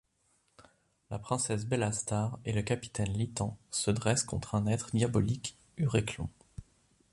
La princesse Bellastar et le capitaine Lithan se dressent contre un être diabolique, Ureklon.